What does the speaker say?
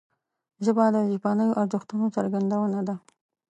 ژبه د ژبنیو ارزښتونو څرګندونه ده